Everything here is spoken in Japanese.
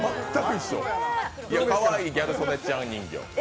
かわいいギャル曽根ちゃん人形。